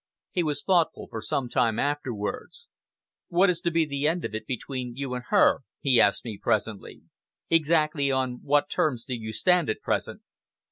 He was thoughtful for some time afterwards. "What is to be the end of it between you and her?" he asked me presently. "Exactly on what terms do you stand at present?"